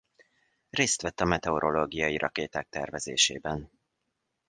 Részt vett a meteorológiai rakéták tervezésében.